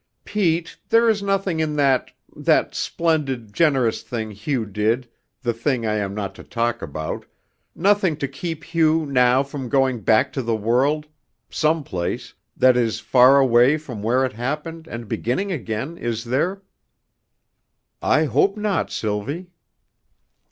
Pete, there is nothing in that that splendid, generous thing Hugh did, the thing I am not to talk about, nothing to keep Hugh now from going back to the world some place that is, far away from where it happened and beginning again, is there?" "I hope not, Sylvie."